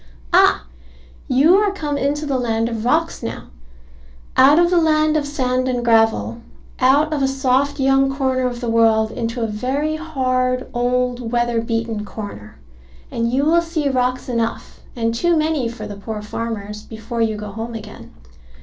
Ah, you are come into the land of rocks now: out of the land of sand and gravel; out of a soft young corner of the world into a very hard, old, weather beaten corner; and you will see rocks enough, and too many for the poor farmers, before you go home again.